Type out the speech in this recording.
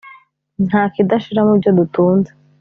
Ntakidashira mubyo dutunze